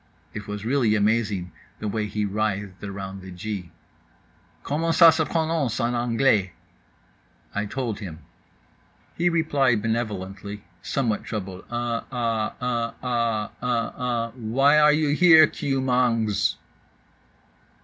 It was really amazing, the way he writhed around the G. "Comment ça se prononce en anglais?" I told him. He replied benevolently, somewhat troubled "uh ah uh ah uh ah—why are you here, KEW MANGZ?"